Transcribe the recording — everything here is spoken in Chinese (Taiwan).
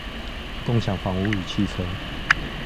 共享房屋與汽車